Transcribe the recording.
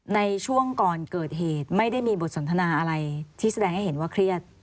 ในช่วงก่อนเกิดเหตุไม่ได้มีบทสนทนาอะไรที่แสดงให้เห็นว่าเครียด